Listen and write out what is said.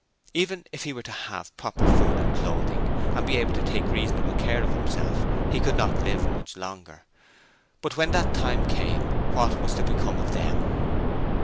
Even if he were to have proper food and clothing and be able to take reasonable care of himself, he could not live much longer; but when that time came, what was to become of THEM?